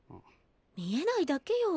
見えないだけよ。